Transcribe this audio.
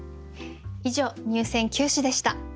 以上入選九首でした。